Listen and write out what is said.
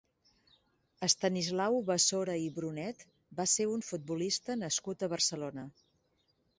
Estanislau Basora i Brunet va ser un futbolista nascut a Barcelona.